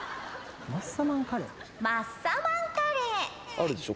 あるでしょ。